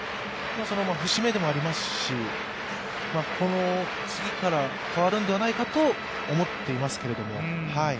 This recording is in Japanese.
節目でもありますし、この次からかわるんではないかと思っていますけれども。